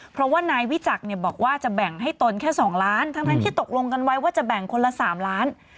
เพราะว่านายวิจักรเนี่ยบอกว่าจะแบ่งให้ตนแค่๒ล้านทั้งที่ตกลงกันไว้ว่าจะแบ่งคนละ๓ล้าน